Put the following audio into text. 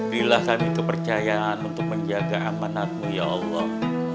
dilahkan itu percayaan untuk menjaga amanatmu ya allah